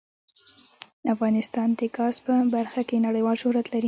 افغانستان د ګاز په برخه کې نړیوال شهرت لري.